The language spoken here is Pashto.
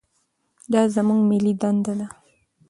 دا زموږ ملي دنده ده.